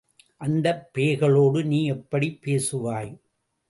அந்தப் பேய்களோடு நீ எப்படிப் பேசுவாய்?